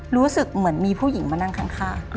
รู้สึกเหมือนมีผู้หญิงมานั่งข้าง